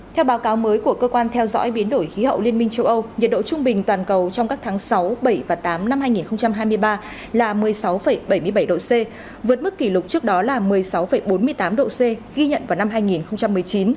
theo báo cáo mới của cơ quan theo dõi biến đổi khí hậu liên minh châu âu nhiệt độ trung bình toàn cầu trong các tháng sáu bảy và tám năm hai nghìn hai mươi ba là một mươi sáu bảy mươi bảy độ c vượt mức kỷ lục trước đó là một mươi sáu bốn mươi tám độ c ghi nhận vào năm hai nghìn một mươi chín